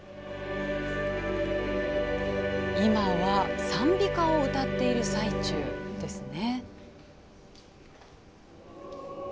今は賛美歌を歌っている最中ですね。